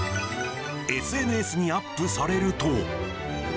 ＳＮＳにアップされると。